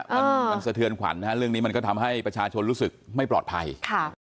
มันมันสะเทือนขวัญนะฮะเรื่องนี้มันก็ทำให้ประชาชนรู้สึกไม่ปลอดภัยค่ะ